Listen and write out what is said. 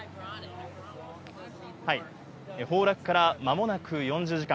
崩落からまもなく４０時間。